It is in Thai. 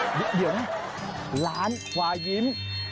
เหยียงล้านวายิ้ม